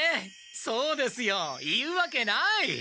そうですよ言うわけない！